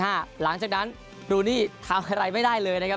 หลังจากนั้นบรูนี่ทำอะไรไม่ได้เลยนะครับ